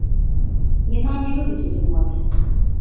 Яна не любіць адзіноты.